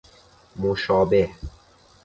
مشابه